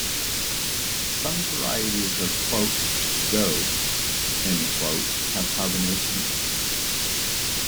Some varieties of "doogh" have carbonation.